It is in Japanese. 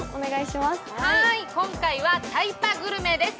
今回はタイパグルメです。